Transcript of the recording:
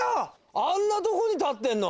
あんなとこに立ってんの？